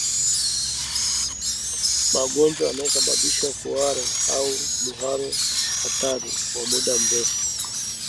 Magonjwa yanayosababisha kuhara au mharo hatari wa muda mrefu